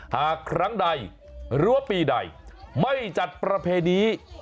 หากครั้งใดหรือว่าปีใดไม่จัดประเพณี